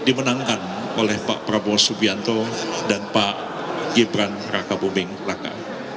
dimenangkan oleh pak prabowo subianto dan pak gibran raka buming raka